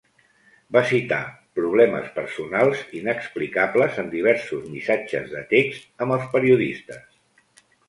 Va citar "problemes personals" inexplicables en diversos missatges de text amb els periodistes.